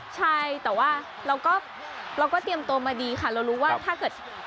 ใช่แต่ว่าเราก็เตรียมตัวมาดีค่ะเรารู้ว่าถ้าเกิด